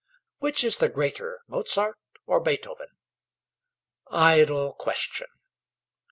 Which is the greater, Mozart or Beethoven? Idle question!